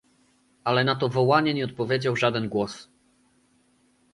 "Ale na to wołanie nie odpowiedział żaden głos."